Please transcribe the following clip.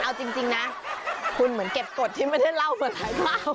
เอาจริงนะคุณเหมือนเก็บกฎที่ไม่ได้เล่าเมื่อไถ่เบ้า